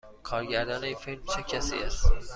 کارگردان این فیلم چه کسی است؟